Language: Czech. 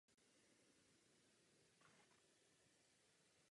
Průčelí budovy je obložené dekorativním kamenem a zdobí jej čtyři alegorické sochy.